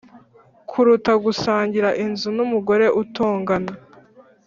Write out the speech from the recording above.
kuruta gusangira inzu n'umugore utongana